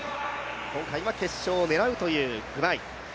今回は決勝を狙うというグバイ。